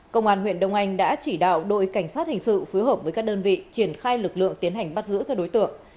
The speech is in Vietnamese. công an huyện đông anh đã chỉ đạo đội cảnh sát hình sự phối hợp với các đơn vị triển khai lực lượng tiến hành bắt giữ các đối tượng